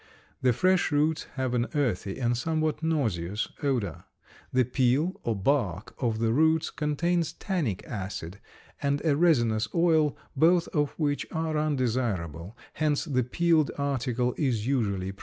The fresh roots have an earthy and somewhat nauseous odor. The peel, or bark, of the roots contains tannic acid and a resinous oil, both of which are undesirable; hence the peeled article is usually preferred.